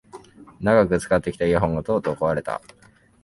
長く使ってきたイヤホンがとうとう壊れた